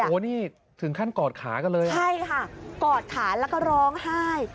โอ้โหนี่ถึงขั้นกอดขากันเลยใช่ค่ะกอดขาแล้วก็ร้องไห้